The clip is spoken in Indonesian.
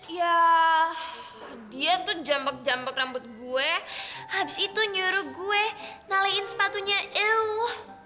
ya dia tuh jambek jambek rambut gue habis itu nyuruh gue nalekin sepatunya eww